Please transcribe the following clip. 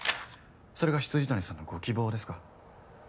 それが未谷さんのご希望ですか？